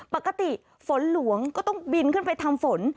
ปกติฝนหลวงก็ต้องบินขึ้นไปทำฝน